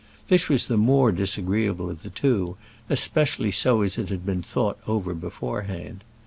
This was the more disagreeable of the two, especially so as it had to be thought over beforehand.